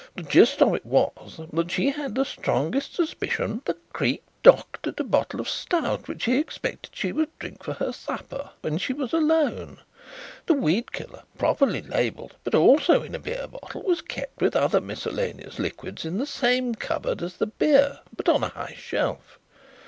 The gist of it was that she had the strongest suspicion that Creake doctored a bottle of stout which he expected she would drink for her supper when she was alone. The weed killer, properly labelled, but also in a beer bottle, was kept with other miscellaneous liquids in the same cupboard as the beer but on a high shelf.